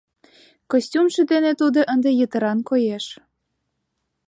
Костюмжо дене тудо ынде йытыран коеш.